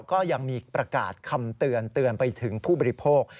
ก็ยังมีประกาศคำเตือนเตือนไปถึงผู้บริโภค